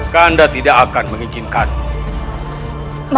kanda tidak akan mengizinkanmu